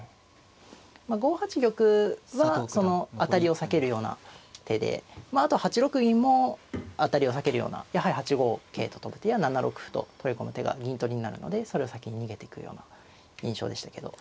５八玉はその当たりを避けるような手であと８六銀も当たりを避けるようなやはり８五桂と跳ぶ手や７六歩と取り込む手が銀取りになるのでそれを先に逃げていくような印象でしたけど。